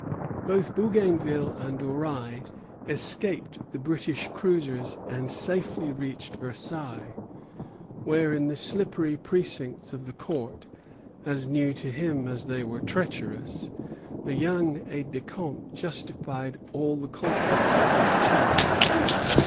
Both Bougainville and Doreil escaped the British cruisers and safely reached Versailles, where, in the slippery precincts of the Court, as new to him as they were treacherous, the young aide de camp justified all the confidence of his chief.